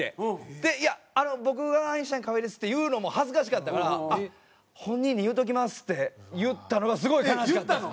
で「いやあの僕がアインシュタインの河井です」って言うのも恥ずかしかったから「あっ本人に言うときます」って言ったのがすごい悲しかったです。